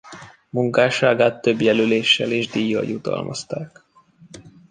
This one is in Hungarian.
Munkásságát több jelöléssel és díjjal jutalmazták.